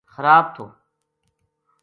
خراب تھو